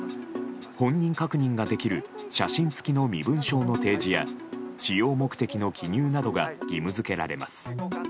本人確認ができる写真付きの身分証の提示や使用目的の記入などが義務付けられます。